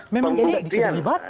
memang tidak bisa beribat